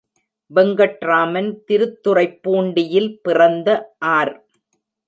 வெங்கட்ராமன் திருத்துறைப்பூண்டியில் பிறந்த ஆர்.